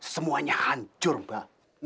semuanya hancur mba